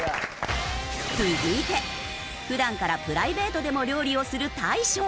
続いて普段からプライベートでも料理をする大昇。